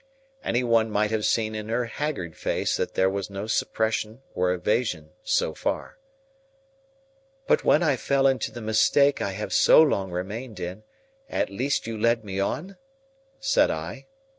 Any one might have seen in her haggard face that there was no suppression or evasion so far. "But when I fell into the mistake I have so long remained in, at least you led me on?" said I.